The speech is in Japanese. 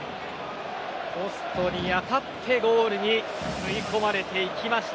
ポストに当たってゴールに吸い込まれていきました。